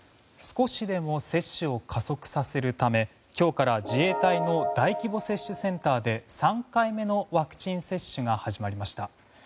少しでも接種を加速させるため今日から自衛隊の大規模接種センターで３回目のワクチン接種が始まりました。